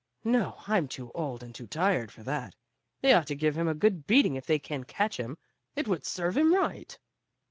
No, I'm too old and too tired for that. They ought to give him a good beating if they can catch him; it would serve him right."